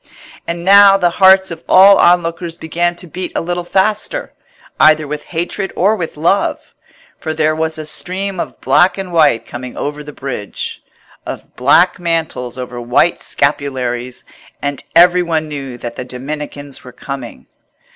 And now the hearts of all onlookers began to beat a little faster, either with hatred or with love, for there was a stream of black and white coming over the bridge—of black mantles over white scapularies; and every one knew that the Dominicans were coming.